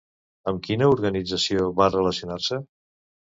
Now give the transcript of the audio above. Amb quina organització va relacionar-se?